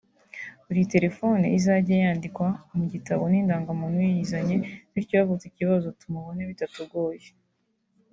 buri telefone izajye yandikwa mu gitabo n’indangamuntu y’uyizanye bityo havutse ikibazo tumubone bitagoranye